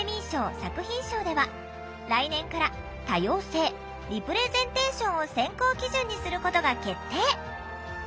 作品賞では来年から多様性・リプレゼンテーションを選考基準にすることが決定。